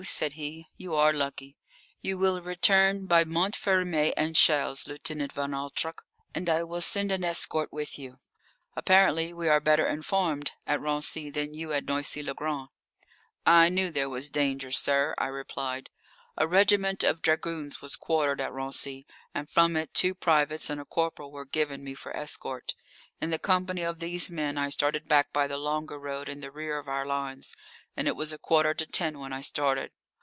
said he. "You are lucky. You will return by Montfermeil and Chelles, Lieutenant von Altrock, and I will send an escort with you. Apparently we are better informed at Raincy than you at Noisy le Grand." "I knew there was danger, sir," I replied. A regiment of dragoons was quartered at Raincy, and from it two privates and a corporal were given me for escort. In the company of these men I started back by the longer road in the rear of our lines. And it was a quarter to ten when I started.